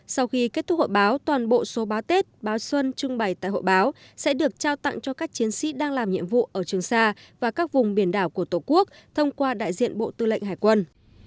sau khi kết thúc hội báo toàn bộ số báo tết báo xuân trưng bày tại hội báo sẽ được trao tặng cho các chiến sĩ đang làm nhiệm vụ ở trường sa và các vùng biển đảo của tổ quốc thông qua đại diện bộ tư lệnh hải quân